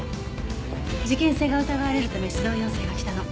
事件性が疑われるため出動要請が来たの。